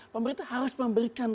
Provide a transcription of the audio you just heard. pemerintah harus memberikan